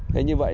thế như vậy